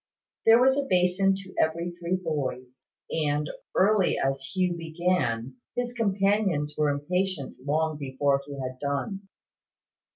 There was a basin to every three boys; and, early as Hugh began, his companions were impatient long before he had done.